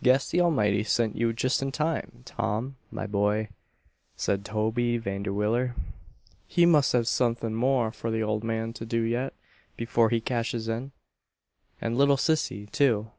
"Guess the Almighty sent you just in time, Tom, my boy," said Toby Vanderwiller. "He must have suthin' more for the old man to do yet, before he cashes in. And little Sissy, too.